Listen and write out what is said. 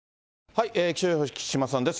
気象予報士、木島さんです。